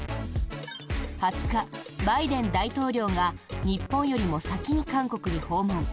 ２０日、バイデン大統領が日本よりも先に韓国に訪問。